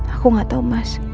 aku gak tau mas